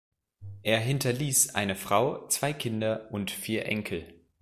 Er hinterließ eine Frau, zwei Kinder und vier Enkel.